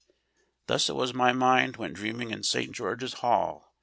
Thus it was my mind went dreaming in St. George's Hall.